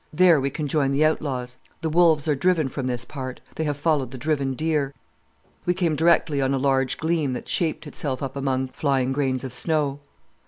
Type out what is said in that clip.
There we can join the outlaws. The wolves are driven from this part. They have followed the driven deer.' "We came directly on a large gleam that shaped itself up among flying grains of snow.